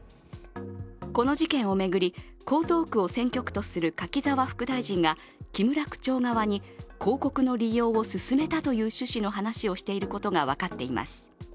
この事件を巡り、江東区を選挙区とする柿沢副大臣が木村区長側に広告の利用を勧めたという趣旨の話をしていることが分かっています。